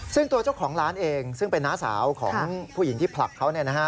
ซึ่งตัวเจ้าของร้านเองซึ่งเป็นน้าสาวของผู้หญิงที่ผลักเขา